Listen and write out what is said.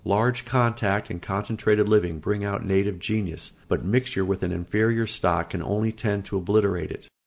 Large contact and concentrated living bring out native genius, but mixture with an inferior stock can only tend to obliterate it.